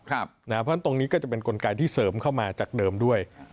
เพราะฉะนั้นตรงนี้ก็จะเป็นกลไกที่เสริมเข้ามาจากเดิมด้วย